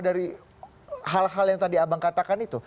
dari hal hal yang tadi abang katakan itu